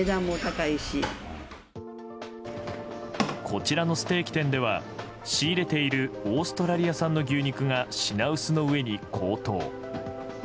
こちらのステーキ店では仕入れているオーストラリア産の牛肉が品薄のうえに高騰。